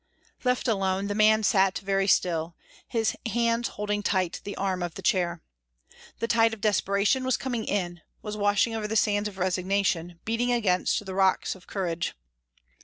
Left alone the man sat very still, his hands holding tight the arm of the chair. The tide of despair was coming in, was washing over the sands of resignation, beating against the rocks of courage.